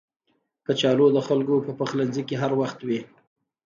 کچالو د خلکو په پخلنځي کې هر وخت وي